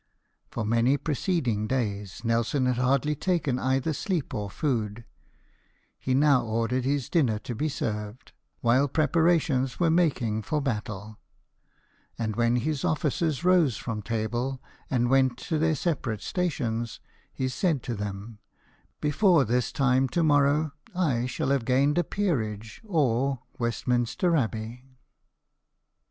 For many preceding days Nelson had hardly taken either sleep or food ; he now ordered his dinner to be served, while preparations were making for battle ; and when his officers rose from table, and went to their separate stations, he said to them, ''Before this time to morrow I shall have gained a peerage, or Westminster Abbey."